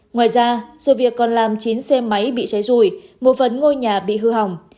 ngoài ra sự việc còn làm chín xe máy bị cháy rùi một phần ngôi nhà bị hư hỏng